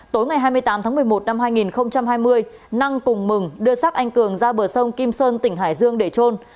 tối ngày hai mươi tám tháng một mươi một năm hai nghìn hai mươi năng cùng mừng đưa xác anh cường ra bờ sông kim sơn tỉnh hải dương để trôn